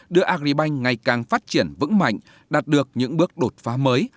đưa agribank ngày càng phát triển vững mạnh đạt được những bước đột phá mới